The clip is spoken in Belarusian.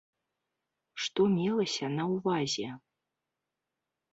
Што мелася на ўвазе?